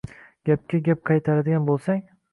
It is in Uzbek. Gapga gap qaytaradigan bo‘lsang